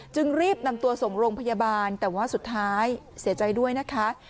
จึงรีบนำตัวส่งโรงพยาบาลแต่ว่าสุดท้ายเสียใจด้วยนะคะ